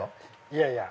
いやいや。